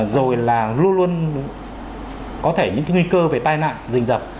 rồi là luôn luôn có thể những cái nguy cơ về tai nạn rình dập